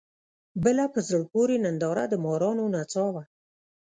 بله په زړه پورې ننداره د مارانو نڅا وه.